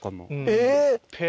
え！